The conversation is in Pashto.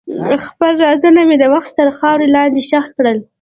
خپل رازونه مې د وخت تر خاورو لاندې ښخ کړل.